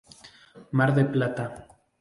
Mar del Plata.